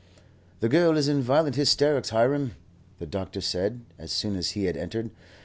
"The girl is in violent hysterics, Hiram," the doctor said, as soon as he had entered.